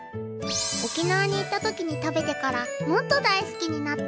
沖縄に行った時に食べてからもっと大好きになった。